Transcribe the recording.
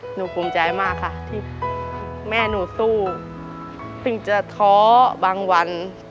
หนูภูมิใจมากค่ะที่แม่หนูสู้เพิ่งจะท้อบางวัน